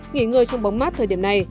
nghỉ ngơi trong bóng mát thời điểm này